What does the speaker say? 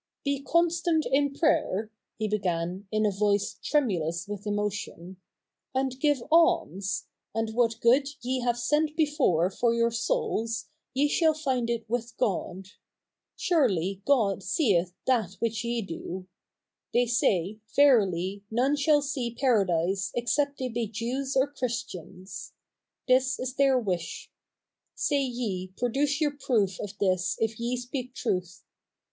' Be constant in prayer," he began, in a voice tremulous w'ith emotion, ' and give alms : and what good ye have sent before for your souls, ye shall find it with God. Surely God seeth that which ye do. They say. Verily none shall see Paradise except they be Jews or Christians. This is their wish. Say ye, Produce your proof of this if ye speak truth.